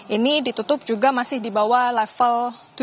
ini ditutup juga masih di bawah level tujuh